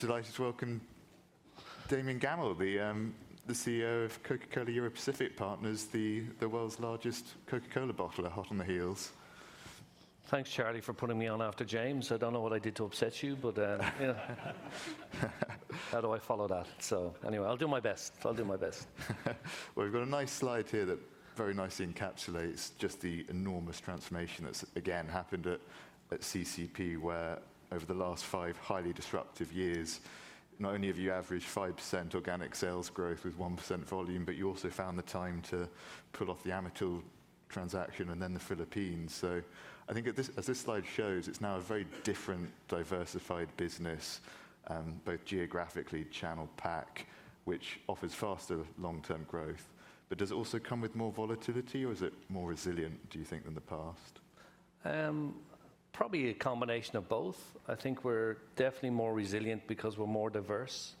Delighted to welcome Damian Gammell, the CEO of Coca-Cola Europacific Partners, the world's largest Coca-Cola bottler, hot on the heels. Thanks, Charlie, for putting me on after James. I don't know what I did to upset you, but, yeah. How do I follow that? So anyway, I'll do my best. I'll do my best. We've got a nice slide here that very nicely encapsulates just the enormous transformation that's, again, happened at CCEP, where over the last five highly disruptive years, not only have you averaged 5% organic sales growth with 1% volume, but you also found the time to pull off the Amatil transaction and then the Philippines. So I think, as this slide shows, it's now a very different diversified business, both geographically, channel mix, which offers faster long-term growth. But does it also come with more volatility, or is it more resilient, do you think, than the past? Probably a combination of both. I think we're definitely more resilient because we're more diverse.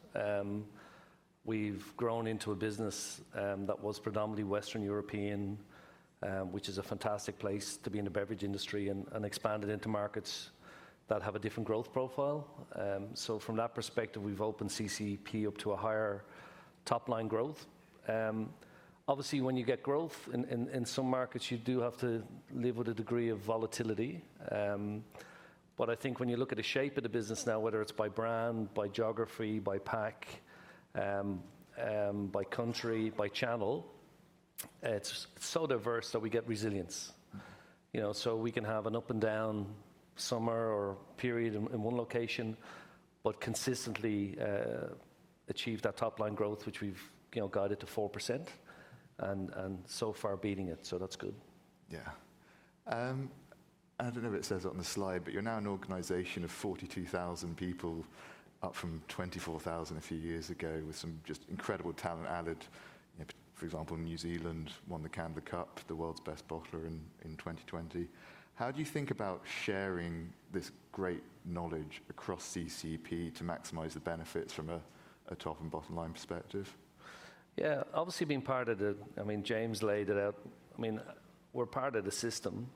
We've grown into a business that was predominantly Western European, which is a fantastic place to be in the beverage industry, and expanded into markets that have a different growth profile. So from that perspective, we've opened CCEP up to a higher top-line growth. Obviously, when you get growth in some markets, you do have to live with a degree of volatility. But I think when you look at the shape of the business now, whether it's by brand, by geography, by pack, by country, by channel, it's so diverse that we get resilience. You know, so we can have an up and down summer or period in one location, but consistently achieve that top-line growth, which we've, you know, guided to 4%, and so far beating it, so that's good. Yeah. I don't know if it says it on the slide, but you're now an organization of 42,000 people, up from 24,000 a few years ago, with some just incredible talent added. For example, New Zealand won the Candler Cup, the world's best bottler in 2020. How do you think about sharing this great knowledge across CCEP to maximize the benefits from a top and bottom line perspective? Yeah, obviously, being part of the... I mean, James laid it out. I mean, we're part of the system.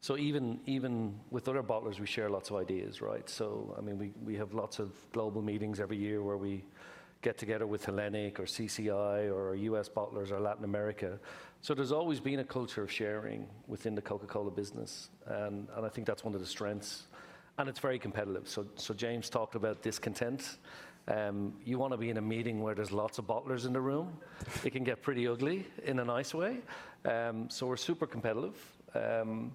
So even with other bottlers, we share lots of ideas, right? So, I mean, we have lots of global meetings every year where we get together with Hellenic or CCI or U.S. bottlers or Latin America. So there's always been a culture of sharing within the Coca-Cola business, and I think that's one of the strengths, and it's very competitive. So James talked about discontent. You wanna be in a meeting where there's lots of bottlers in the room. It can get pretty ugly, in a nice way. So we're super competitive, and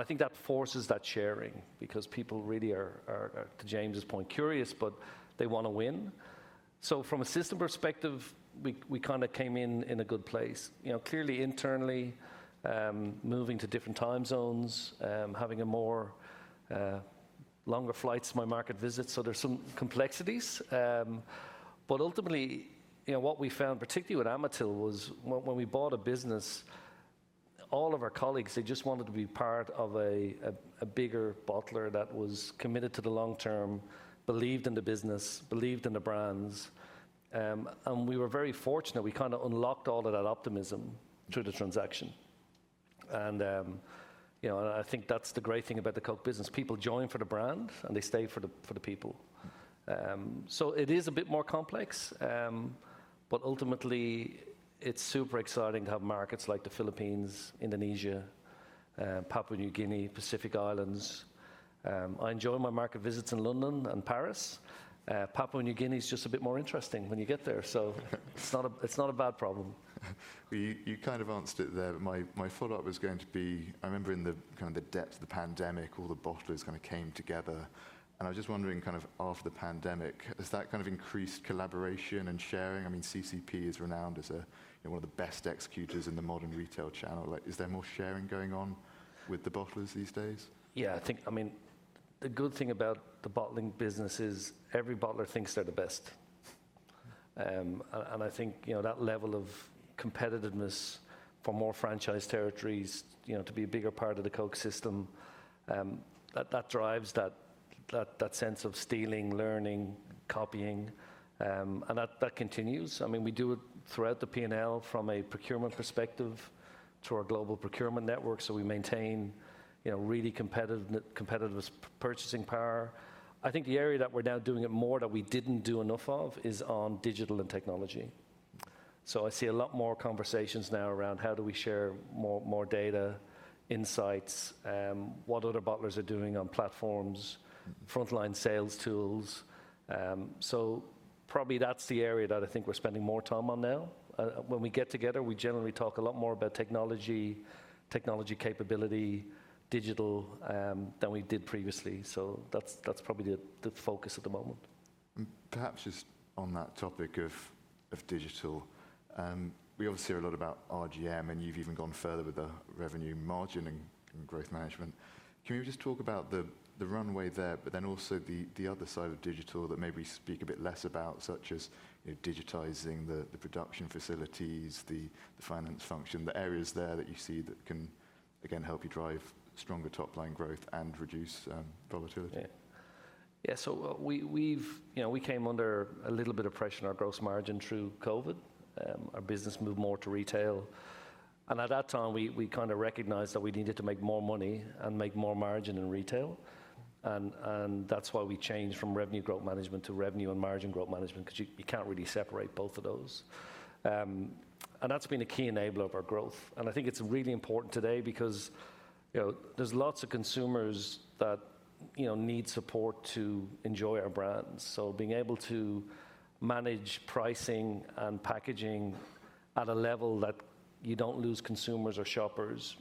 I think that forces that sharing because people really are, to James's point, curious, but they wanna win. So from a system perspective, we kind of came in in a good place. You know, clearly internally, moving to different time zones, having a more longer flights to my market visits, so there's some complexities. But ultimately, you know, what we found, particularly with Amatil, was when we bought a business, all of our colleagues, they just wanted to be part of a bigger bottler that was committed to the long term, believed in the business, believed in the brands. And we were very fortunate, we kind of unlocked all of that optimism through the transaction. And, you know, and I think that's the great thing about the Coke business. People join for the brand, and they stay for the people. So it is a bit more complex, but ultimately, it's super exciting to have markets like the Philippines, Indonesia, Papua New Guinea, Pacific Islands. I enjoy my market visits in London and Paris. Papua New Guinea is just a bit more interesting when you get there. It's not a bad problem. You kind of answered it there. My follow-up was going to be, I remember in the depths of the pandemic, all the bottlers kind of came together, and I was just wondering, kind of after the pandemic, has that kind of increased collaboration and sharing? I mean, CCEP is renowned as a, you know, one of the best executors in the modern retail channel. Like, is there more sharing going on with the bottlers these days? Yeah, I think, I mean, the good thing about the bottling business is every bottler thinks they're the best. And I think, you know, that level of competitiveness for more franchise territories, you know, to be a bigger part of the Coke system, that drives that sense of stealing, learning, copying, and that continues. I mean, we do it throughout the P and L from a procurement perspective to our global procurement network, so we maintain, you know, really competitive purchasing power. I think the area that we're now doing it more that we didn't do enough of is on digital and technology. So I see a lot more conversations now around how do we share more data, insights, what other bottlers are doing on platforms, frontline sales tools. So probably that's the area that I think we're spending more time on now. When we get together, we generally talk a lot more about technology capability, digital, than we did previously. So that's probably the focus at the moment. Perhaps just on that topic of digital, we obviously hear a lot about RGM, and you've even gone further with the revenue margin and growth management. Can you just talk about the runway there, but then also the other side of digital that maybe we speak a bit less about, such as, you know, digitizing the production facilities, the finance function, the areas there that you see that can, again, help you drive stronger top-line growth and reduce volatility? Yeah. Yeah, so we, we've. You know, we came under a little bit of pressure on our gross margin through Covid. Our business moved more to retail and at that time, we kind of recognized that we needed to make more money and make more margin in retail. And that's why we changed from revenue growth management to revenue and margin growth management, 'cause you can't really separate both of those. And that's been a key enabler of our growth, and I think it's really important today because, you know, there's lots of consumers that need support to enjoy our brands. So being able to manage pricing and packaging at a level that you don't lose consumers or shoppers,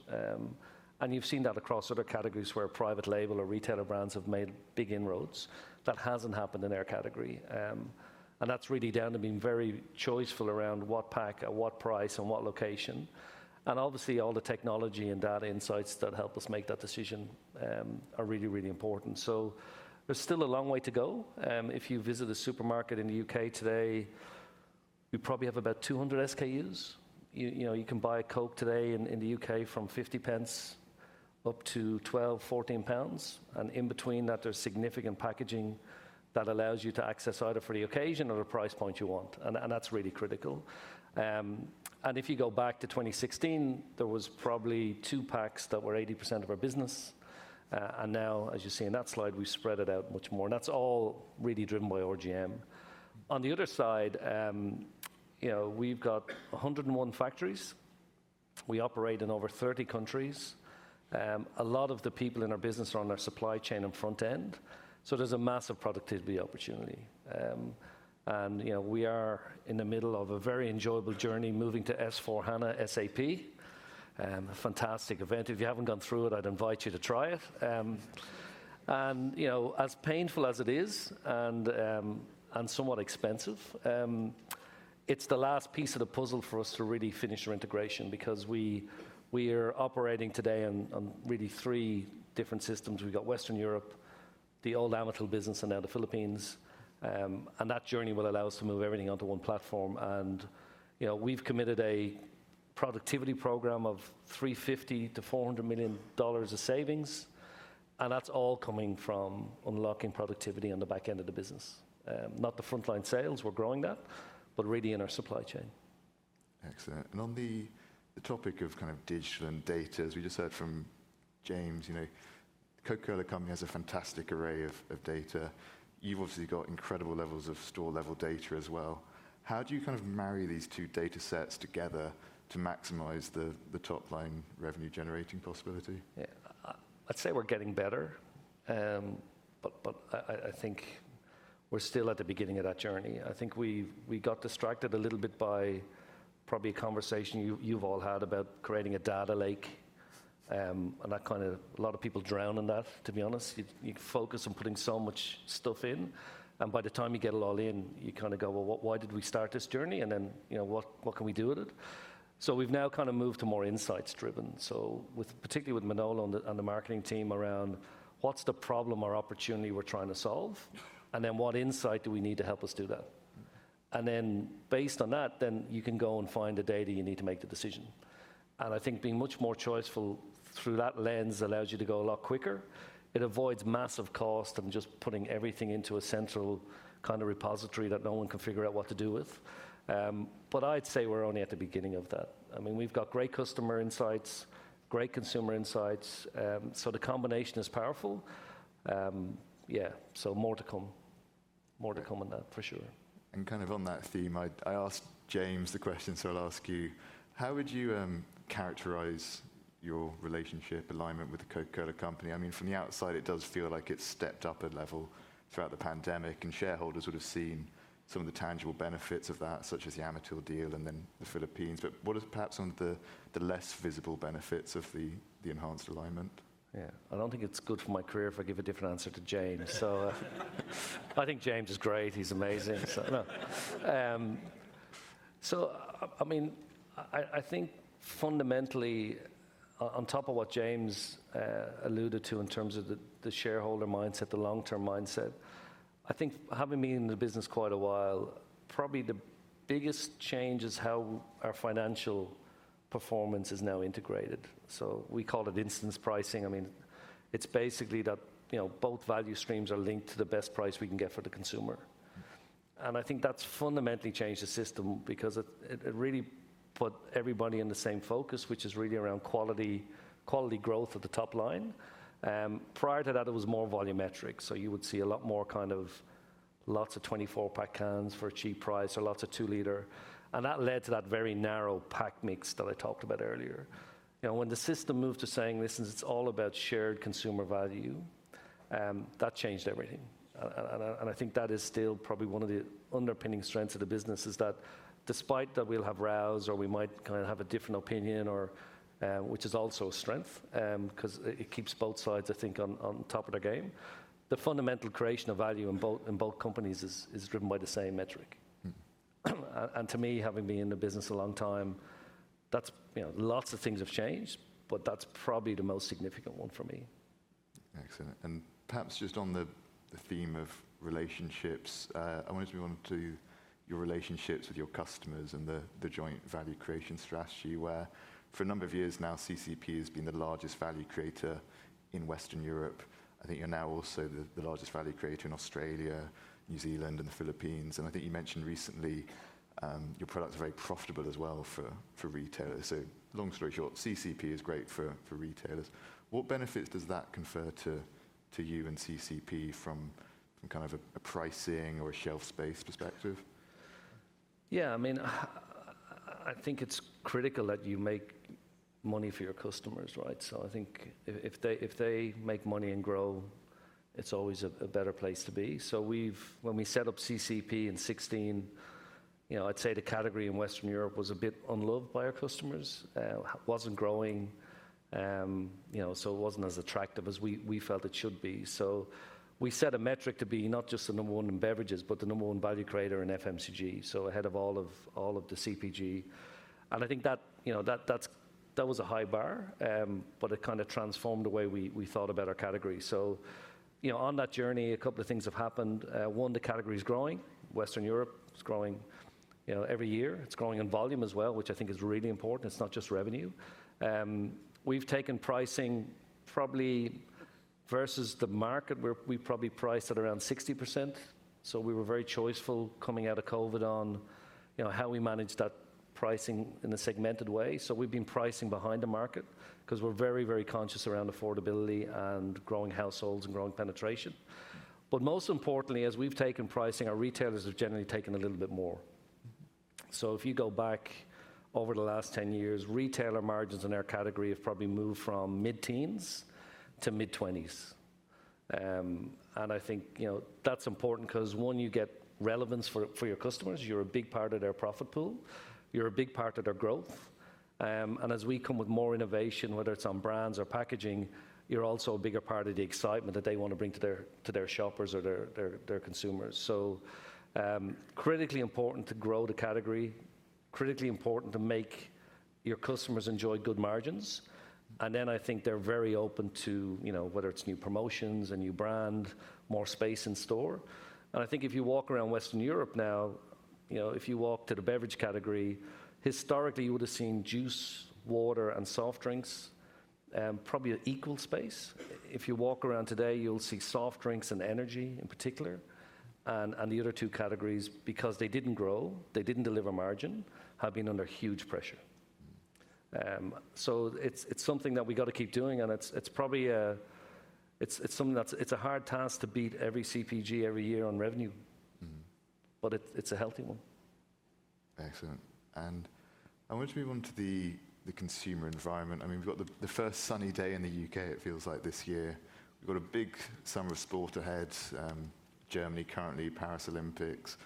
and you've seen that across other categories where private label or retailer brands have made big inroads. That hasn't happened in our category. And that's really down to being very choiceful around what pack, at what price, and what location. And obviously, all the technology and data insights that help us make that decision are really, really important. So there's still a long way to go. If you visit a supermarket in the U.K. today, we probably have about 200 SKUs. You know, you can buy a Coke today in the U.K. from 0.50 up to 12-14 pounds, and in between that, there's significant packaging that allows you to access either for the occasion or the price point you want, and that's really critical. And if you go back to 2016, there was probably two packs that were 80% of our business, and now, as you see in that slide, we've spread it out much more, and that's all really driven by RGM. On the other side, you know, we've got 101 factories. We operate in over 30 countries. A lot of the people in our business are on our supply chain and front end, so there's a massive productivity opportunity. And, you know, we are in the middle of a very enjoyable journey moving to SAP S/4HANA. A fantastic event. If you haven't gone through it, I'd invite you to try it. You know, as painful as it is, and somewhat expensive, it's the last piece of the puzzle for us to really finish our integration because we are operating today on really three different systems. We've got Western Europe, the old Amatil business, and now the Philippines. That journey will allow us to move everything onto one platform. You know, we've committed a productivity program of $350 million-$400 million of savings, and that's all coming from unlocking productivity on the back end of the business. Not the frontline sales, we're growing that, but really in our supply chain. Excellent. And on the topic of kind of digital and data, as we just heard from James, you know, The Coca-Cola Company has a fantastic array of data. You've obviously got incredible levels of store-level data as well. How do you kind of marry these two data sets together to maximize the top-line revenue-generating possibility? Yeah. I'd say we're getting better, but I think we're still at the beginning of that journey. I think we got distracted a little bit by probably a conversation you've all had about creating a data lake, and that kind of... A lot of people drown in that, to be honest. You focus on putting so much stuff in, and by the time you get it all in, you kind of go, "Well, why did we start this journey? And then, you know, what can we do with it?" So we've now kind of moved to more insights-driven, so particularly with Manolo and the marketing team around: What's the problem or opportunity we're trying to solve? And then what insight do we need to help us do that? And then, based on that, then you can go and find the data you need to make the decision. And I think being much more choiceful through that lens allows you to go a lot quicker. It avoids massive cost and just putting everything into a central kind of repository that no one can figure out what to do with. But I'd say we're only at the beginning of that. I mean, we've got great customer insights, great consumer insights, so the combination is powerful. Yeah, so more to come. More to come on that, for sure. Kind of on that theme, I asked James the question, so I'll ask you: How would you characterize your relationship alignment with The Coca-Cola Company? I mean, from the outside, it does feel like it's stepped up a level throughout the pandemic, and shareholders would've seen some of the tangible benefits of that, such as the Amatil deal and then the Philippines. But what are perhaps some of the less visible benefits of the enhanced alignment? Yeah. I don't think it's good for my career if I give a different answer to James. So, I think James is great. He's amazing. So, no. So I mean, I think fundamentally, on top of what James alluded to in terms of the shareholder mindset, the long-term mindset, I think having been in the business quite a while, probably the biggest change is how our financial performance is now integrated. So we call it incidence pricing. I mean, it's basically that, you know, both value streams are linked to the best price we can get for the consumer. And I think that's fundamentally changed the system because it really put everybody in the same focus, which is really around quality, quality growth at the top line. Prior to that, it was more volumetric, so you would see a lot more kind of lots of twenty-four-pack cans for a cheap price or lots of two-liter, and that led to that very narrow pack mix that I talked about earlier. You know, when the system moved to saying, "Listen, it's all about shared consumer value," that changed everything. And I think that is still probably one of the underpinning strengths of the business, is that despite that we'll have rows or we might kind of have a different opinion or, which is also a strength, 'cause it keeps both sides, I think, on top of their game. The fundamental creation of value in both companies is driven by the same metric. Mm. To me, having been in the business a long time, that's, you know, lots of things have changed, but that's probably the most significant one for me. Excellent. And perhaps just on the theme of relationships, I wonder if we move on to your relationships with your customers and the joint value creation strategy where, for a number of years now, CCEP has been the largest value creator in Western Europe. I think you're now also the largest value creator in Australia, New Zealand and the Philippines, and I think you mentioned recently, your products are very profitable as well for retailers. So long story short, CCEP is great for retailers. What benefits does that confer to you and CCEP from kind of a pricing or a shelf space perspective? Yeah, I mean, I think it's critical that you make money for your customers, right? So I think if, if they, if they make money and grow, it's always a, a better place to be. So we've when we set up CCEP in 2016, you know, I'd say the category in Western Europe was a bit unloved by our customers. Wasn't growing, you know, so it wasn't as attractive as we, we felt it should be. So we set a metric to be not just the number one in beverages, but the number one value creator in FMCG, so ahead of all of, all of the CPG. And I think that, you know, that, that's, that was a high bar, but it kind of transformed the way we, we thought about our category. So, you know, on that journey, a couple of things have happened. One, the category is growing. Western Europe is growing, you know, every year. It's growing in volume as well, which I think is really important. It's not just revenue. We've taken pricing probably versus the market, where we probably priced at around 60%, so we were very choiceful coming out of COVID on, you know, how we managed that pricing in a segmented way. So we've been pricing behind the market 'cause we're very, very conscious around affordability and growing households and growing penetration. But most importantly, as we've taken pricing, our retailers have generally taken a little bit more. So if you go back over the last 10 years, retailer margins in our category have probably moved from mid-teens to mid-twenties. And I think, you know, that's important 'cause, one, you get relevance for your customers. You're a big part of their profit pool. You're a big part of their growth. And as we come with more innovation, whether it's on brands or packaging, you're also a bigger part of the excitement that they want to bring to their shoppers or their consumers. So, critically important to grow the category, critically important to make your customers enjoy good margins, and then I think they're very open to, you know, whether it's new promotions, a new brand, more space in store. And I think if you walk around Western Europe now, you know, if you walk to the beverage category, historically, you would have seen juice, water, and soft drinks, probably an equal space. If you walk around today, you'll see soft drinks and energy in particular, and the other two categories, because they didn't grow, they didn't deliver margin, have been under huge pressure. So it's something that we've got to keep doing, and it's probably something that's a hard task to beat every CPG every year on revenue. Mm-hmm. But it, it's a healthy one. Excellent. And I want to move on to the consumer environment. I mean, we've got the first sunny day in the UK, it feels like this year. We've got a big summer of sport ahead, Germany currently, Paris Olympics,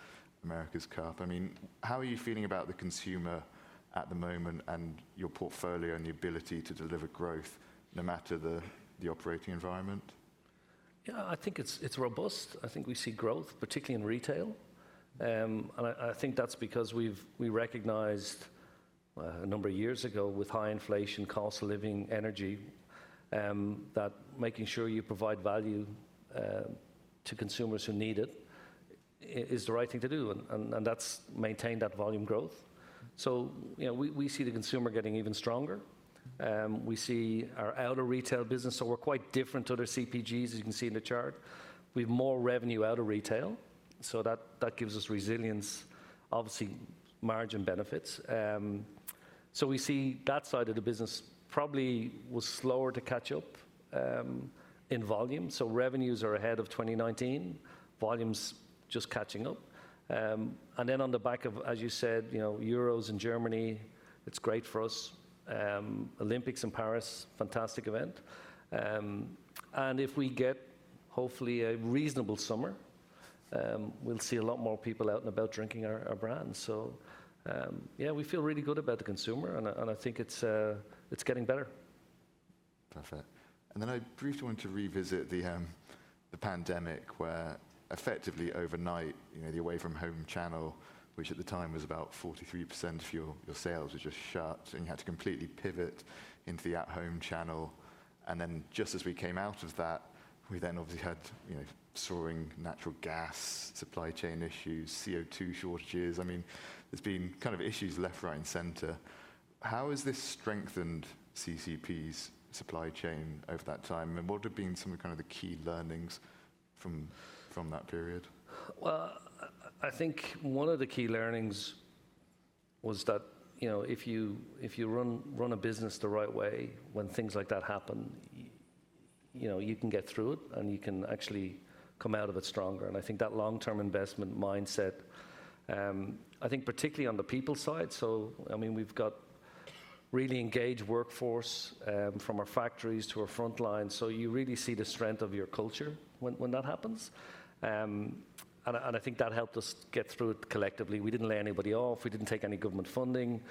America's Cup. I mean, how are you feeling about the consumer at the moment and your portfolio and the ability to deliver growth, no matter the operating environment? Yeah, I think it's robust. I think we see growth, particularly in retail. And I think that's because we've recognized a number of years ago, with high inflation, cost of living, energy, that making sure you provide value to consumers who need it is the right thing to do, and that's maintained that volume growth. So, you know, we see the consumer getting even stronger. We see our out-of-retail business, so we're quite different to other CPGs, as you can see in the chart. We've more revenue out of retail, so that gives us resilience, obviously margin benefits. So we see that side of the business probably was slower to catch up in volume, so revenues are ahead of twenty nineteen, volumes just catching up. And then, on the back of, as you said, you know, Euros in Germany, it's great for us. Olympics in Paris, fantastic event. And if we get hopefully a reasonable summer, we'll see a lot more people out and about drinking our brands. So, yeah, we feel really good about the consumer, and I think it's getting better. Perfect. And then I briefly want to revisit the pandemic, where effectively overnight, you know, the away-from-home channel, which at the time was about 43% of your sales, was just shut, and you had to completely pivot into the at-home channel. And then, just as we came out of that, we then obviously had, you know, soaring natural gas, supply chain issues, CO2 shortages. I mean, there's been kind of issues left, right, and center. How has this strengthened CCEP's supply chain over that time, and what have been some of the kind of the key learnings from that period? I think one of the key learnings was that, you know, if you run a business the right way, when things like that happen, you know, you can get through it, and you can actually come out of it stronger. And I think that long-term investment mindset, I think particularly on the people side, so I mean, we've got really engaged workforce from our factories to our front line. So you really see the strength of your culture when that happens. And I think that helped us get through it collectively. We didn't lay anybody off. We didn't take any government funding.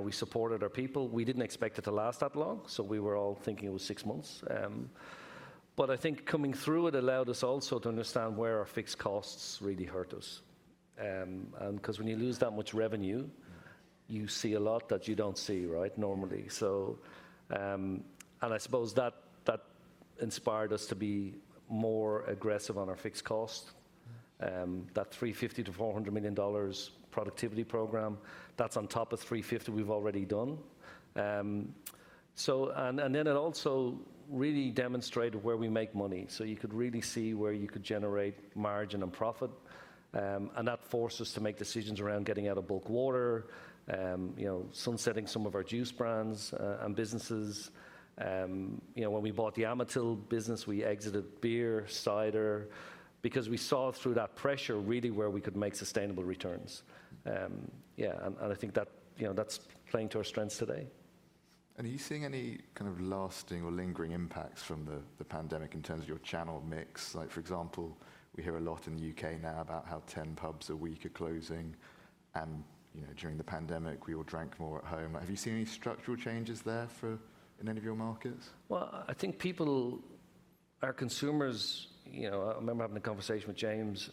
We supported our people. We didn't expect it to last that long, so we were all thinking it was six months. But I think coming through it allowed us also to understand where our fixed costs really hurt us, and 'cause when you lose that much revenue- Mm... you see a lot that you don't see, right, normally. And I suppose that inspired us to be more aggressive on our fixed cost. That $350-$400 million productivity program, that's on top of $350 million we've already done. And then it also really demonstrated where we make money. You could really see where you could generate margin and profit, and that forced us to make decisions around getting out of bulk water, you know, sunsetting some of our juice brands and businesses. You know, when we bought the Amatil business, we exited beer, cider, because we saw through that pressure really where we could make sustainable returns. Yeah, and I think that, you know, that's playing to our strengths today. Are you seeing any kind of lasting or lingering impacts from the pandemic in terms of your channel mix? Like, for example, we hear a lot in the U.K. now about how ten pubs a week are closing, and, you know, during the pandemic, we all drank more at home. Have you seen any structural changes there in any of your markets? I think people, our consumers, you know. I remember having a conversation with James,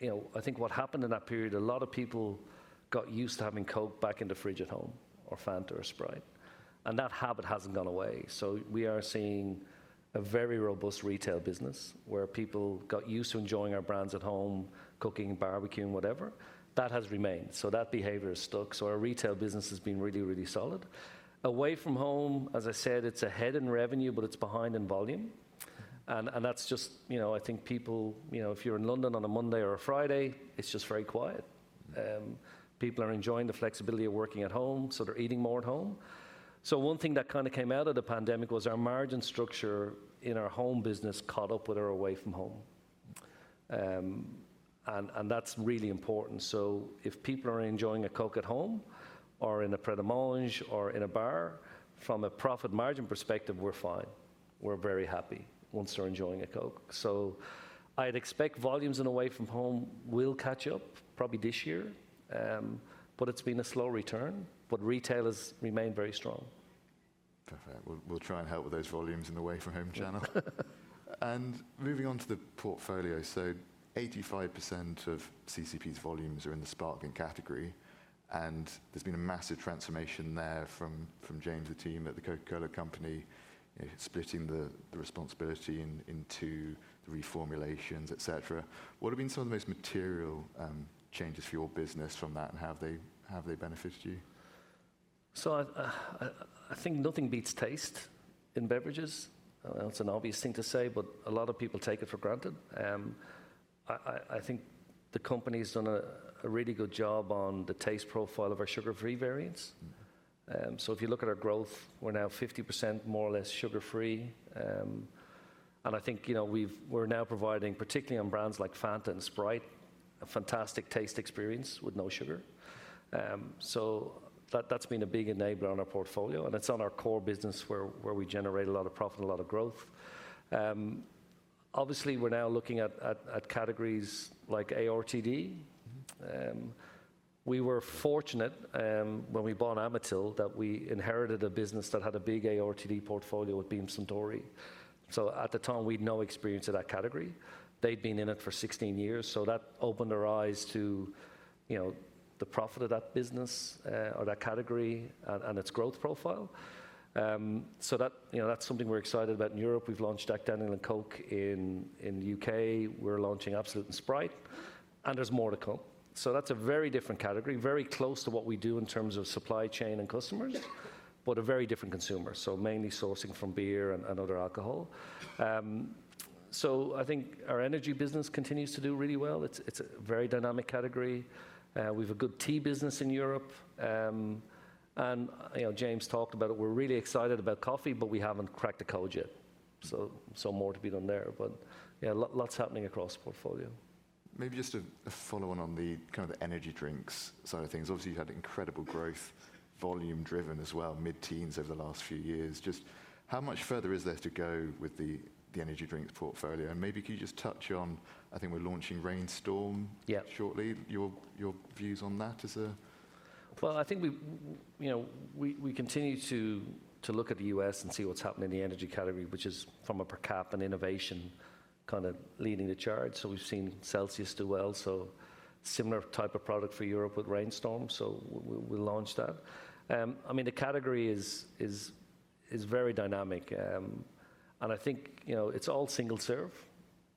you know, I think what happened in that period, a lot of people got used to having Coke back in the fridge at home, or Fanta or Sprite, and that habit hasn't gone away. So we are seeing a very robust retail business, where people got used to enjoying our brands at home, cooking, barbecuing, whatever. That has remained. So that behavior has stuck, so our retail business has been really, really solid. Away from home, as I said, it's ahead in revenue, but it's behind in volume. And that's just, you know, I think people, you know, if you're in London on a Monday or a Friday, it's just very quiet. People are enjoying the flexibility of working at home, so they're eating more at home. So one thing that kind of came out of the pandemic was our margin structure in our home business caught up with our away-from-home. And that's really important. So if people are enjoying a Coke at home or in a Pret A Manger or in a bar, from a profit margin perspective, we're fine. We're very happy once they're enjoying a Coke. So I'd expect volumes in away from home will catch up probably this year, but it's been a slow return, but retail has remained very strong. Perfect. We'll try and help with those volumes in the away-from-home channel. And moving on to the portfolio, so 85% of CCEP's volumes are in the sparkling category, and there's been a massive transformation there from James, the team at the Coca-Cola Company, splitting the responsibility into the reformulations, et cetera. What have been some of the most material changes for your business from that, and how have they benefited you? So I think nothing beats taste in beverages. That's an obvious thing to say, but a lot of people take it for granted. I think the company's done a really good job on the taste profile of our sugar-free variants. Mm-hmm. If you look at our growth, we're now 50%, more or less, sugar-free. I think, you know, we're now providing, particularly on brands like Fanta and Sprite, a fantastic taste experience with no sugar. That, that's been a big enabler on our portfolio, and it's on our core business where we generate a lot of profit and a lot of growth. Obviously, we're now looking at categories like ARTD. Mm-hmm. We were fortunate when we bought Amatil, that we inherited a business that had a big ARTD portfolio with Beam Suntory. So at the time, we'd no experience in that category. They'd been in it for sixteen years, so that opened our eyes to, you know, the profit of that business, or that category and its growth profile. So that, you know, that's something we're excited about in Europe. We've launched Jack Daniel's and Coke in the UK. We're launching Absolut and Sprite, and there's more to come. So that's a very different category, very close to what we do in terms of supply chain and customers- Mm-hmm.... but a very different consumer, so mainly sourcing from beer and other alcohol. So I think our energy business continues to do really well. It's a very dynamic category. We've a good tea business in Europe. And, you know, James talked about it. We're really excited about coffee, but we haven't cracked the code yet, so some more to be done there. But yeah, lot's happening across the portfolio. Maybe just a follow-on on the kind of the energy drinks side of things. Obviously, you've had incredible growth, volume-driven as well, mid-teens over the last few years. Just how much further is there to go with the, the energy drinks portfolio? And maybe can you just touch on, I think we're launching Reign Storm- Yeah... shortly. Your views on that as a- I think we, you know, we continue to look at the U.S. and see what's happening in the energy category, which is from a per cap and innovation, kind of leading the charge. So we've seen Celsius do well, so similar type of product for Europe with Reign Storm, so we'll launch that. I mean, the category is very dynamic, and I think, you know, it's all single serve,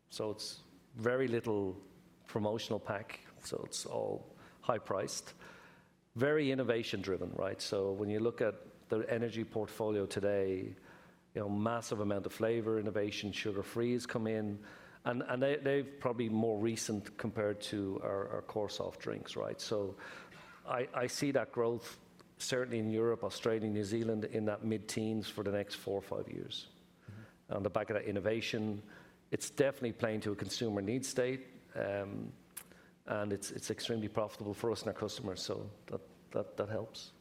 so it's very little promotional pack, so it's all high-priced. Very innovation-driven, right? So when you look at the energy portfolio today, you know, massive amount of flavor, innovation, sugar-frees come in, and they, they're probably more recent compared to our core soft drinks, right? So I see that growth certainly in Europe, Australia, New Zealand, in that mid-teens for the next four or five years. Mm-hmm. On the back of that innovation, it's definitely playing to a consumer need state, and it's extremely profitable for us and our customers, so that helps.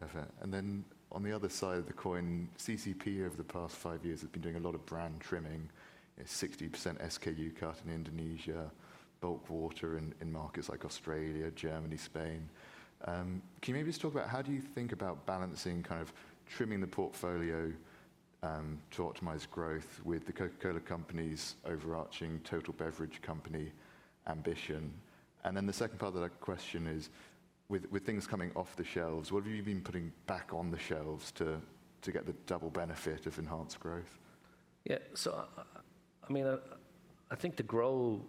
Perfect. And then, on the other side of the coin, CCEP over the past five years has been doing a lot of brand trimming, a 60% SKU cut in Indonesia, bulk water in markets like Australia, Germany, Spain. Can you maybe just talk about how do you think about balancing, kind of trimming the portfolio, to optimize growth with The Coca-Cola Company's overarching total beverage company ambition? And then the second part of that question is, with things coming off the shelves, what have you been putting back on the shelves to get the double benefit of enhanced growth? Yeah, so I mean, I think to grow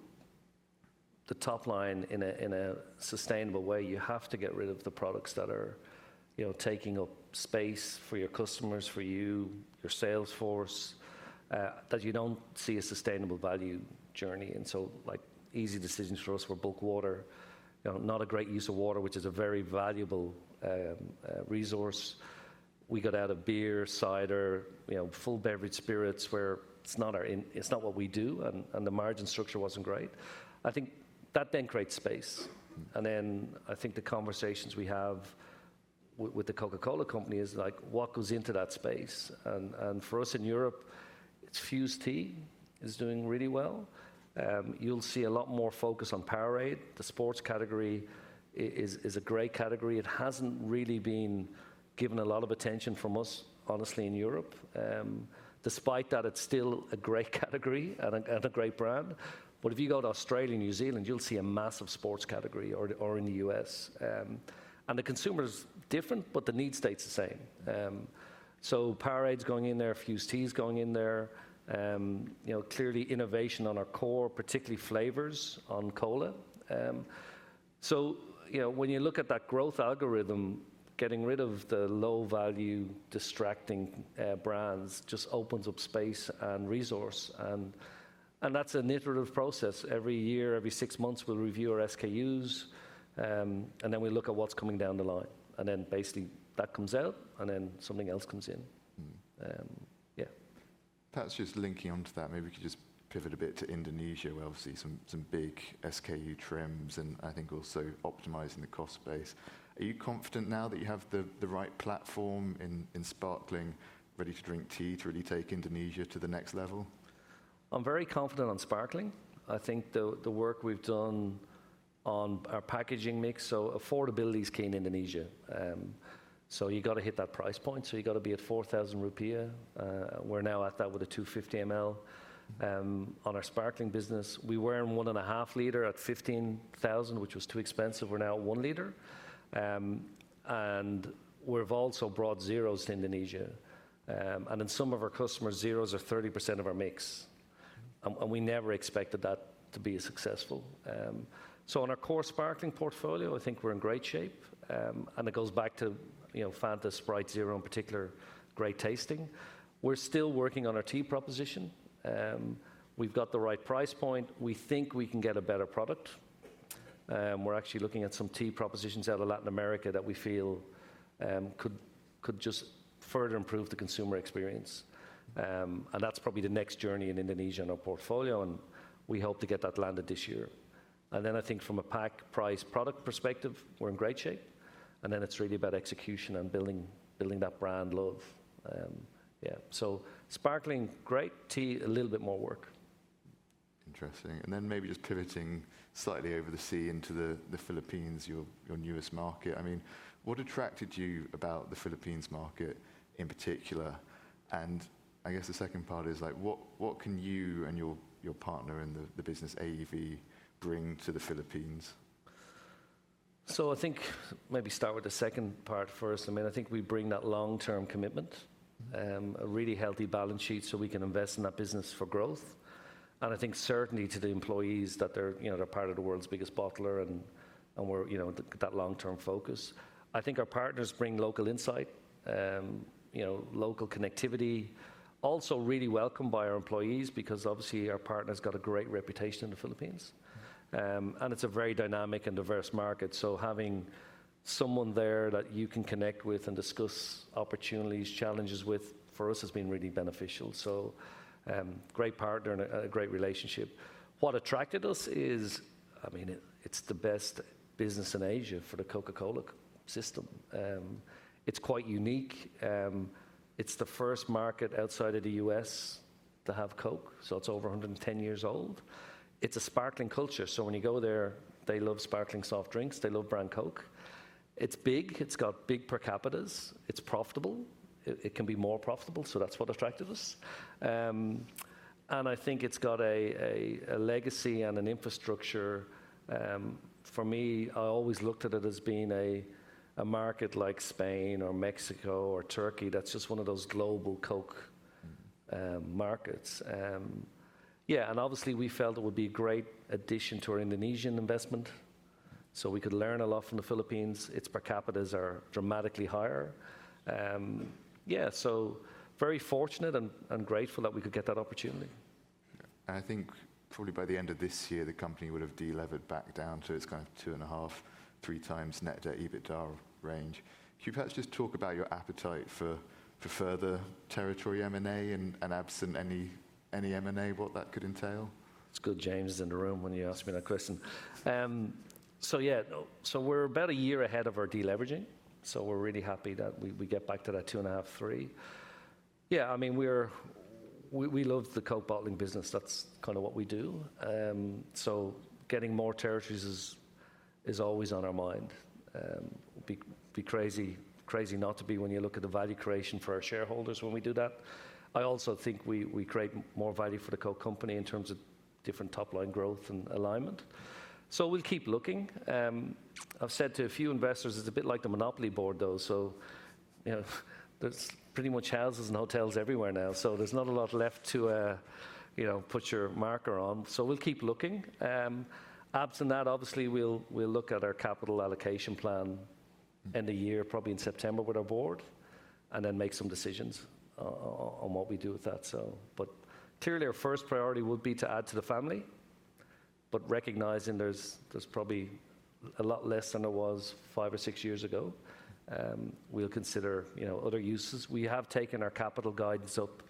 the top line in a sustainable way, you have to get rid of the products that are, you know, taking up space for your customers, for you, your sales force, that you don't see a sustainable value journey. And so, like, easy decisions for us were bulk water. You know, not a great use of water, which is a very valuable resource. We got out of beer, cider, you know, full beverage spirits, where it's not what we do, and the margin structure wasn't great. I think that then creates space, and then I think the conversations we have with The Coca-Cola Company is, like, what goes into that space? And for us in Europe, it's Fuze Tea is doing really well. You'll see a lot more focus on Powerade. The sports category is a great category. It hasn't really been given a lot of attention from us, honestly, in Europe. Despite that, it's still a great category and a great brand, but if you go to Australia, New Zealand, you'll see a massive sports category, or in the US, and the consumer's different, but the need is the same, so Powerade's going in there, Fuze Tea's going in there. You know, clearly innovation on our core, particularly flavors on Cola, so you know, when you look at that growth algorithm, getting rid of the low-value, distracting brands just opens up space and resource, and that's an iterative process. Every year, every six months, we'll review our SKUs, and then we look at what's coming down the line. And then basically that comes out, and then something else comes in. Mm-hmm. Um, yeah. Perhaps just linking onto that, maybe we could just pivot a bit to Indonesia, where obviously some big SKU trims, and I think also optimizing the cost base. Are you confident now that you have the right platform in sparkling, ready-to-drink tea to really take Indonesia to the next level? I'm very confident on sparkling. I think the work we've done on our packaging mix, so affordability is key in Indonesia. So you've gotta hit that price point, so you've gotta be at 4,000 rupiah. We're now at that with a 250 ml. On our sparkling business, we were in 1.5-liter at 15,000, which was too expensive. We're now 1 liter. And we've also brought Zeros to Indonesia. And in some of our customers, Zeros are 30% of our mix, and we never expected that to be successful. So on our core sparkling portfolio, I think we're in great shape. And it goes back to, you know, Fanta, Sprite Zero in particular, great tasting. We're still working on our tea proposition. We've got the right price point. We think we can get a better product. We're actually looking at some tea propositions out of Latin America that we feel could just further improve the consumer experience. And that's probably the next journey in Indonesia in our portfolio, and we hope to get that landed this year. And then I think from a pack, price, product perspective, we're in great shape, and then it's really about execution and building that brand love. Yeah. So sparkling, great. Tea, a little bit more work. Interesting. And then maybe just pivoting slightly overseas into the Philippines, your newest market. I mean, what attracted you about the Philippines market in particular? And I guess the second part is, like, what can you and your partner in the business, AEV, bring to the Philippines? I think maybe start with the second part first. I mean, I think we bring that long-term commitment. Mm-hmm. A really healthy balance sheet, so we can invest in that business for growth. And I think certainly to the employees, that they're, you know, they're part of the world's biggest bottler, and we're, you know, that long-term focus. I think our partners bring local insight. You know, local connectivity. Also really welcomed by our employees because obviously our partner's got a great reputation in the Philippines. And it's a very dynamic and diverse market, so having someone there that you can connect with and discuss opportunities, challenges with, for us, has been really beneficial. So, great partner and a great relationship. What attracted us is, I mean, it's the best business in Asia for the Coca-Cola system. It's quite unique. It's the first market outside of the U.S. to have Coke, so it's over one hundred and ten years old. It's a sparkling culture, so when you go there, they love sparkling soft drinks. They love brand Coke. It's big. It's got big per capitas. It's profitable. It can be more profitable, so that's what attracted us, and I think it's got a legacy and an infrastructure. For me, I always looked at it as being a market like Spain or Mexico or Turkey, that's just one of those global Coke- Mm... markets. Yeah, and obviously, we felt it would be a great addition to our Indonesian investment, so we could learn a lot from the Philippines. Its per capitas are dramatically higher. Yeah, so very fortunate and grateful that we could get that opportunity. I think probably by the end of this year, the company would've delevered back down to its kind of two and a half, three times net debt/EBITDA range. Could you perhaps just talk about your appetite for further territory M&A, and absent any M&A, what that could entail? It's good James is in the room when you ask me that question. So yeah, no. So we're about a year ahead of our deleveraging, so we're really happy that we get back to that 2.5-3. Yeah, I mean, we love the Coke bottling business. That's kind of what we do. So getting more territories is always on our mind. Be crazy not to be when you look at the value creation for our shareholders when we do that. I also think we create more value for the Coke Company in terms of different top-line growth and alignment. So we'll keep looking. I've said to a few investors, it's a bit like the Monopoly board, though, so... You know, there's pretty much houses and hotels everywhere now, so there's not a lot left to, you know, put your marker on. So we'll keep looking. Absent that, obviously, we'll look at our capital allocation plan end of year, probably in September, with our board, and then make some decisions on what we do with that, so. But clearly, our first priority would be to add to the family, but recognizing there's probably a lot less than there was five or six years ago, we'll consider, you know, other uses. We have taken our capital guidance up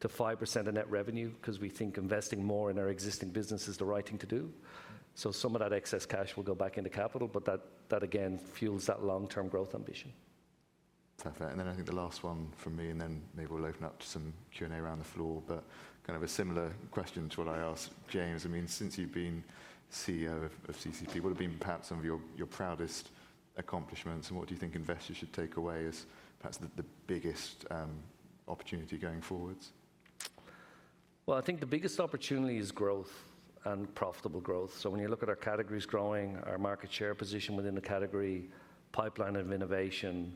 to 5% of net revenue, 'cause we think investing more in our existing business is the right thing to do. So some of that excess cash will go back into capital, but that again fuels that long-term growth ambition. Fair, fair. And then I think the last one from me, and then maybe we'll open up to some Q&A around the floor. But kind of a similar question to what I asked James. I mean, since you've been CEO of CCEP, what have been perhaps some of your proudest accomplishments, and what do you think investors should take away as perhaps the biggest opportunity going forwards? I think the biggest opportunity is growth and profitable growth. When you look at our categories growing, our market share position within the category, pipeline of innovation,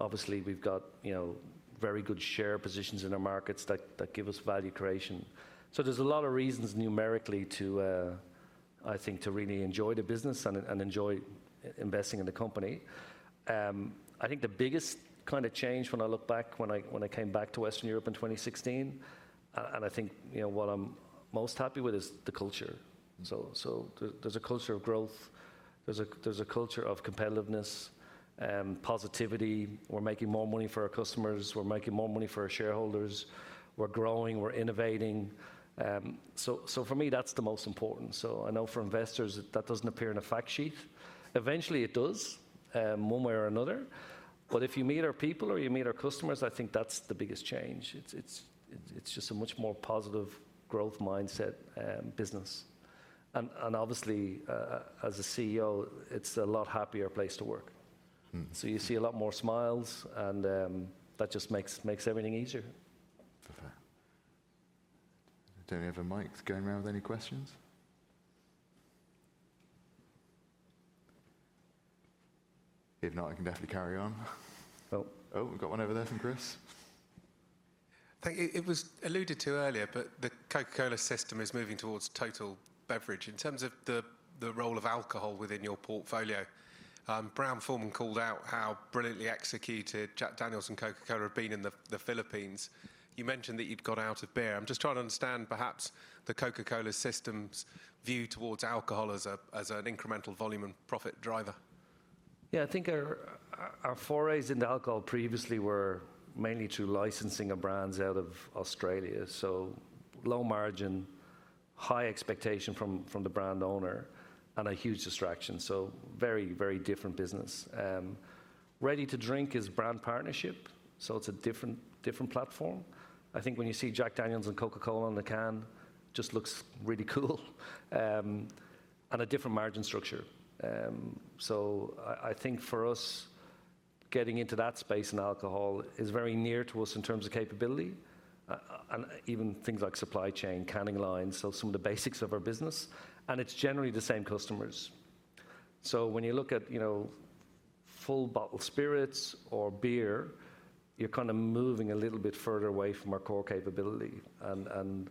obviously, we've got, you know, very good share positions in our markets that give us value creation. There's a lot of reasons numerically, I think, to really enjoy the business and enjoy investing in the company. I think the biggest kind of change when I look back, when I came back to Western Europe in 2016, and I think, you know, what I'm most happy with is the culture. There's a culture of growth, there's a culture of competitiveness, positivity. We're making more money for our customers, we're making more money for our shareholders, we're growing, we're innovating. So for me, that's the most important. So I know for investors that that doesn't appear in a fact sheet. Eventually, it does, one way or another. But if you meet our people or you meet our customers, I think that's the biggest change. It's just a much more positive growth mindset business. And obviously, as a CEO, it's a lot happier place to work. Mm. So you see a lot more smiles, and that just makes everything easier. Fair, fair. Do we have a mic going around with any questions? If not, I can definitely carry on. Oh. Oh, we've got one over there from Chris. Thank you. It was alluded to earlier, but the Coca-Cola system is moving towards total beverage. In terms of the role of alcohol within your portfolio, Brown-Forman called out how brilliantly executed Jack Daniel's and Coca-Cola have been in the Philippines. You mentioned that you'd got out of beer. I'm just trying to understand perhaps the Coca-Cola system's view towards alcohol as an incremental volume and profit driver. Yeah, I think our forays into alcohol previously were mainly through licensing of brands out of Australia, so low margin, high expectation from the brand owner, and a huge distraction. So very, very different business. Ready-to-drink is brand partnership, so it's a different platform. I think when you see Jack Daniel's and Coca-Cola on the can, just looks really cool, and a different margin structure. So I think for us, getting into that space in alcohol is very near to us in terms of capability, and even things like supply chain, canning lines, so some of the basics of our business, and it's generally the same customers. So when you look at, you know, full bottle spirits or beer, you're kind of moving a little bit further away from our core capability, and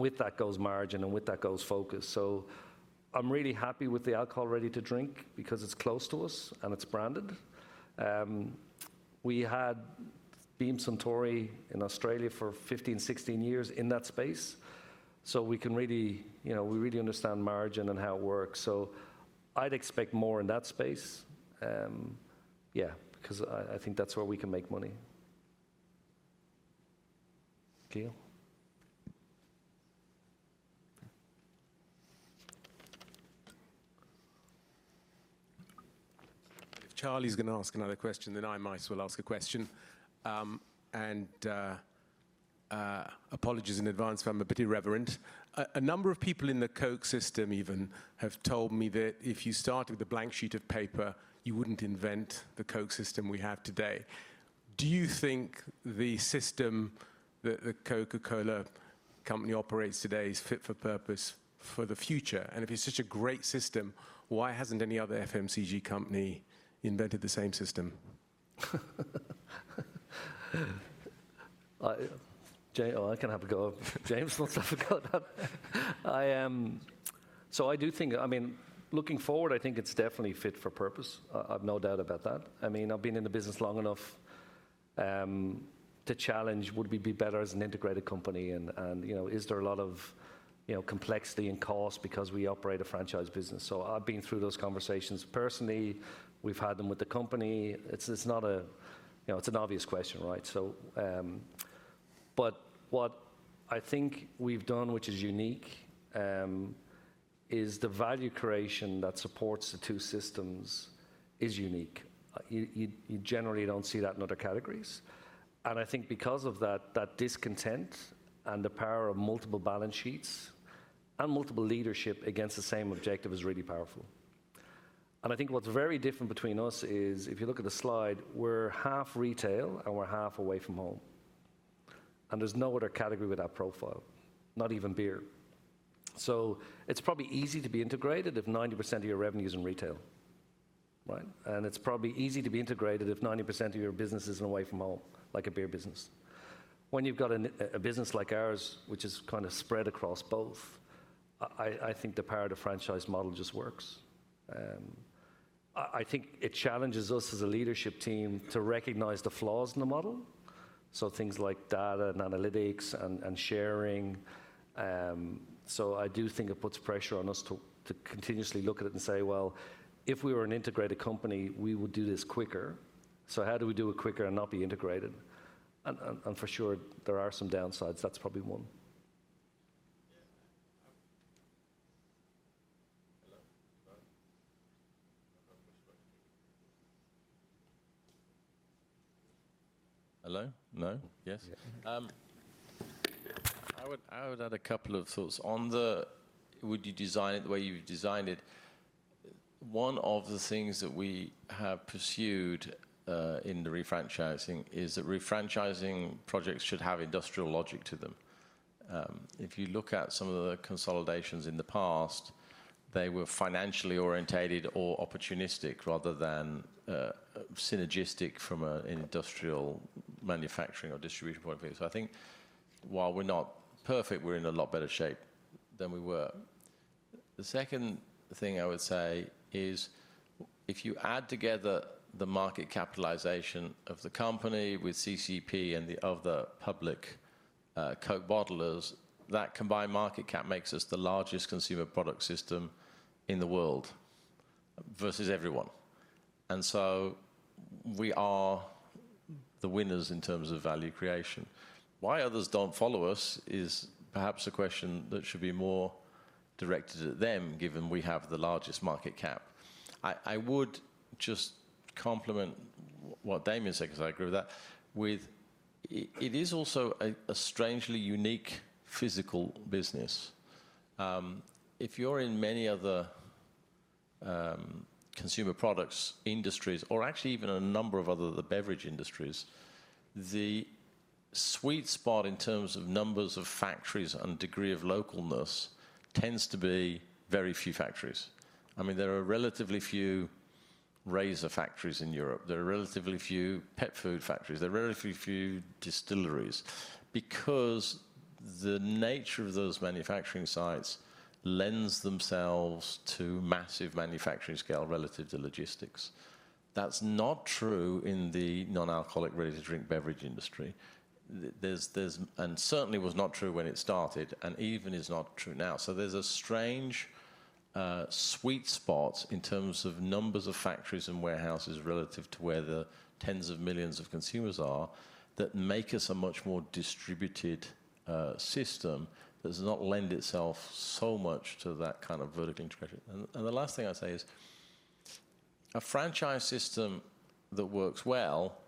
with that goes margin, and with that goes focus. So I'm really happy with the alcohol ready-to-drink, because it's close to us, and it's branded. We had Beam Suntory in Australia for 15, 16 years in that space, so we can really... You know, we really understand margin and how it works. So I'd expect more in that space. Yeah, because I, I think that's where we can make money. Gail? If Charlie's gonna ask another question, then I might as well ask a question, and apologies in advance if I'm a bit irreverent. A number of people in the Coke system even have told me that if you started with a blank sheet of paper, you wouldn't invent the Coke system we have today. Do you think the system that the Coca-Cola Company operates today is fit for purpose for the future? And if it's such a great system, why hasn't any other FMCG company invented the same system? Oh, I can have a go if James wants to have a go at that. I so do think. I mean, looking forward, I think it's definitely fit for purpose. I've no doubt about that. I mean, I've been in the business long enough to challenge, would we be better as an integrated company? And you know, is there a lot of you know, complexity and cost because we operate a franchise business? So I've been through those conversations personally. We've had them with the company. It's not a. You know, it's an obvious question, right? So but what I think we've done, which is unique, is the value creation that supports the two systems is unique. You generally don't see that in other categories. I think because of that, that discontent and the power of multiple balance sheets and multiple leadership against the same objective is really powerful. I think what's very different between us is, if you look at the slide, we're half retail, and we're half away from home, and there's no other category with that profile, not even beer. So it's probably easy to be integrated if 90% of your revenue is in retail, right? And it's probably easy to be integrated if 90% of your business is away from home, like a beer business. When you've got a business like ours, which is kind of spread across both, I think the power of the franchise model just works. I think it challenges us as a leadership team to recognize the flaws in the model, so things like data and analytics and sharing. So I do think it puts pressure on us to continuously look at it and say, "Well, if we were an integrated company, we would do this quicker. So how do we do it quicker and not be integrated?" And for sure, there are some downsides. That's probably one. Hello? No, yes. I would add a couple of thoughts on the, would you design it the way you designed it? One of the things that we have pursued in the refranchising is that refranchising projects should have industrial logic to them. If you look at some of the consolidations in the past, they were financially oriented or opportunistic, rather than synergistic from an industrial manufacturing or distribution point of view. So I think while we're not perfect, we're in a lot better shape than we were. The second thing I would say is, if you add together the market capitalization of the company with CCEP and the other public Coke bottlers, that combined market cap makes us the largest consumer product system in the world, versus everyone. And so we are the winners in terms of value creation. Why others don't follow us is perhaps a question that should be more directed at them, given we have the largest market cap. I would just complement what Damian said, 'cause I agree with that, with it is also a strangely unique physical business. If you're in many other consumer products industries, or actually even a number of other of the beverage industries, the sweet spot in terms of numbers of factories and degree of localness tends to be very few factories. I mean, there are relatively few razor factories in Europe. There are relatively few pet food factories. There are relatively few distilleries. Because the nature of those manufacturing sites lends themselves to massive manufacturing scale relative to logistics. That's not true in the non-alcoholic ready-to-drink beverage industry. And certainly was not true when it started, and even is not true now. There's a strange sweet spot in terms of numbers of factories and warehouses relative to where the tens of millions of consumers are, that make us a much more distributed system that does not lend itself so much to that kind of vertical integration. The last thing I'd say is, a franchise system that works well,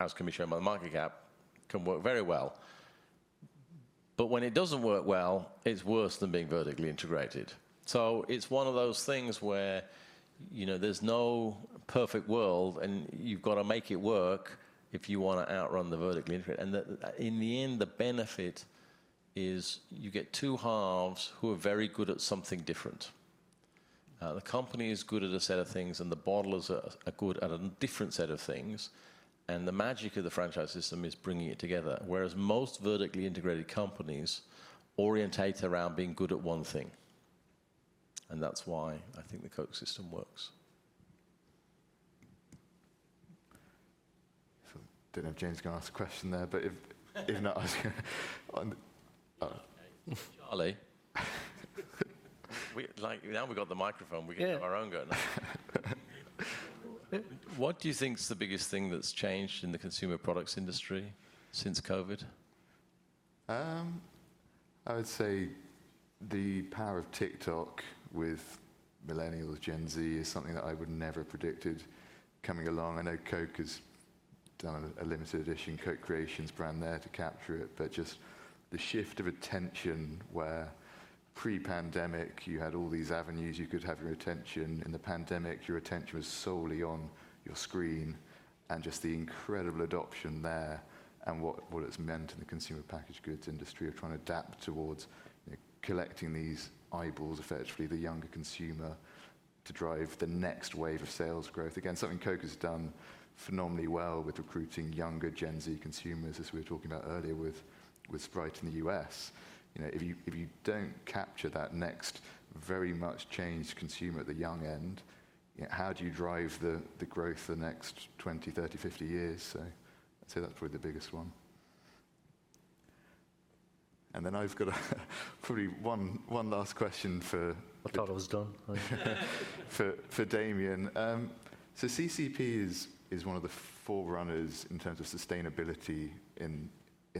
as can be shown by the market cap, can work very well. But when it doesn't work well, it's worse than being vertically integrated. It's one of those things where, you know, there's no perfect world, and you've got to make it work if you want to outrun the vertically integrated. In the end, the benefit is you get two halves who are very good at something different. The company is good at a set of things, and the bottlers are good at a different set of things, and the magic of the franchise system is bringing it together. Whereas most vertically integrated companies orientate around being good at one thing, and that's why I think the Coke system works. I didn't know if James is going to ask a question there, but if not, I was gonna... Charlie? Like, now we've got the microphone. Yeah... we can have our own go now. What do you think is the biggest thing that's changed in the consumer products industry since COVID? I would say the power of TikTok with millennials, Gen Z, is something that I would never have predicted coming along. I know Coke has done a limited edition Coke Creations brand there to capture it. But just the shift of attention, where pre-pandemic, you had all these avenues you could have your attention, in the pandemic, your attention was solely on your screen, and just the incredible adoption there and what it's meant in the consumer packaged goods industry of trying to adapt towards, you know, collecting these eyeballs, effectively, the younger consumer, to drive the next wave of sales growth. Again, something Coke has done phenomenally well with recruiting younger Gen Z consumers, as we were talking about earlier with Sprite in the U.S. You know, if you, if you don't capture that next very much changed consumer at the young end, how do you drive the, the growth for the next twenty, thirty, fifty years? So I'd say that's probably the biggest one. And then I've got probably one last question for- I thought I was done.... for Damian, so CCEP is one of the forerunners in terms of sustainability in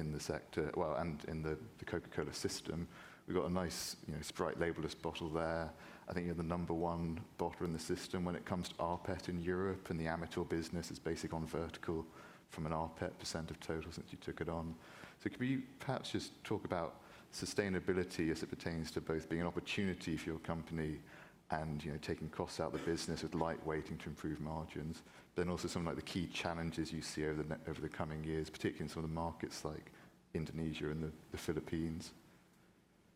the sector, well, and in the Coca-Cola system. We've got a nice, you know, Sprite label-less bottle there. I think you're the number one bottler in the system when it comes to rPET in Europe, and the Amatil business is basically gone vertical from an rPET % of total since you took it on, so could we perhaps just talk about sustainability as it pertains to both being an opportunity for your company and, you know, taking costs out of the business with lightweighting to improve margins, then also some of, like, the key challenges you see over the coming years, particularly in some of the markets like Indonesia and the Philippines?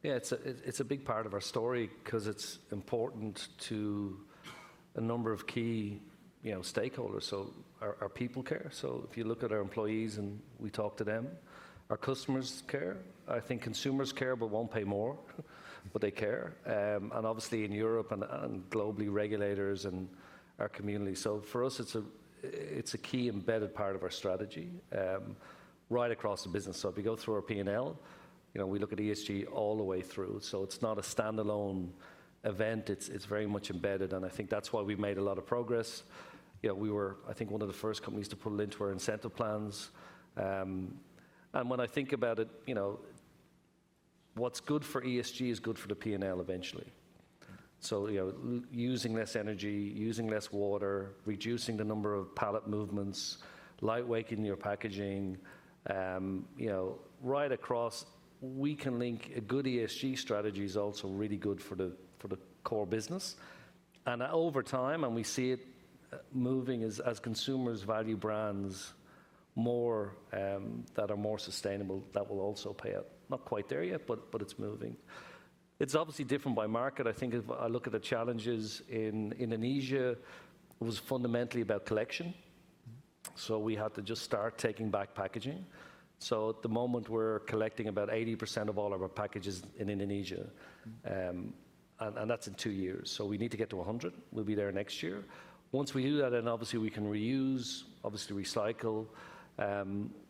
Yeah, it's a big part of our story 'cause it's important to a number of key, you know, stakeholders. So our people care, so if you look at our employees, and we talk to them. Our customers care. I think consumers care but won't pay more, but they care. And obviously in Europe and globally, regulators and our community. So for us, it's a key embedded part of our strategy, right across the business. So if you go through our P&L, you know, we look at ESG all the way through, so it's not a standalone event. It's very much embedded, and I think that's why we've made a lot of progress. You know, we were, I think, one of the first companies to put it into our incentive plans. And when I think about it, you know, what's good for ESG is good for the P&L eventually. So, you know, using less energy, using less water, reducing the number of pallet movements, lightweighting your packaging, you know, right across, we can link a good ESG strategy is also really good for the core business. And over time, and we see it moving as consumers value brands more, that are more sustainable, that will also pay out. Not quite there yet, but it's moving. It's obviously different by market. I think if I look at the challenges in Indonesia, it was fundamentally about collection, so we had to just start taking back packaging. So at the moment, we're collecting about 80% of all of our packages in Indonesia, and that's in two years, so we need to get to 100. We'll be there next year. Once we do that, then obviously we can reuse, obviously recycle.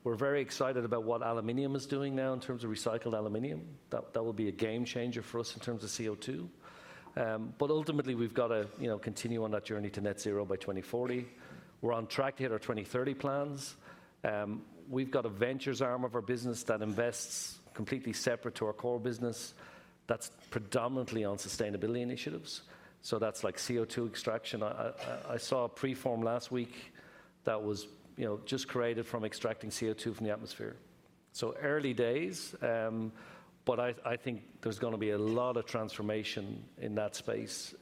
We're very excited about what aluminum is doing now in terms of recycled aluminum. That will be a game-changer for us in terms of CO2. But ultimately, we've got to, you know, continue on that journey to net zero by 2040. We're on track to hit our 2030 plans. We've got a ventures arm of our business that invests completely separate to our core business that's predominantly on sustainability initiatives, so that's like CO2 extraction. I saw a preform last week that was, you know, just created from extracting CO2 from the atmosphere. So early days, but I think there's gonna be a lot of transformation in that space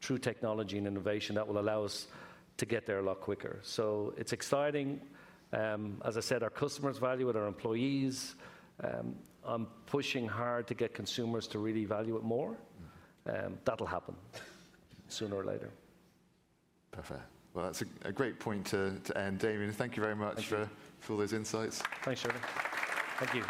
through technology and innovation that will allow us to get there a lot quicker. So it's exciting. As I said, our customers value it, our employees. I'm pushing hard to get consumers to really value it more. That'll happen sooner or later. Perfect. Well, that's a great point to end. Damian, thank you very much. Thank you. for all those insights. Thanks, Sheldon. Thank you.